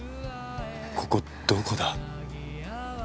ここどこだ？